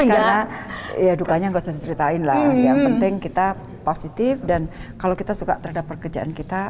karena ya dukanya nggak usah diceritain lah yang penting kita positif dan kalau kita suka terhadap pekerjaan kita